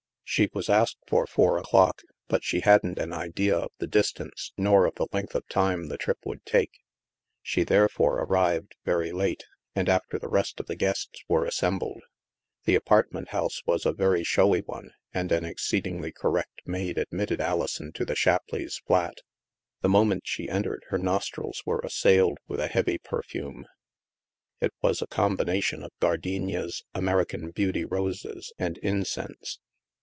She was asked for four o'clock, but she hadn't an idea of the distance nor of the length of time the trip would take. She therefore arrived very late, and after the rest of the guests were assembled. The apartment house was a very showy one, and an exceedingly correct maid admitted Alison to the Shapleighs' flat. The moment she entered, her nos trils were assailed with a hejivy perfume. It was a combination of gardenias, American beauty roses, and incense.